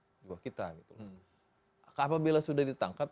apabila sudah ditangkap kita harus menangkap